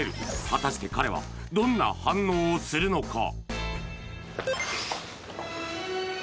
果たして彼はどんな反応をするのか？